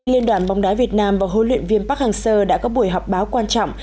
liên đoàn bóng đá việt nam và huấn luyện viên park hang seo đã có buổi họp báo quan trọng